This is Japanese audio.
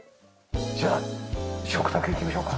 じゃあ食卓行きましょうか。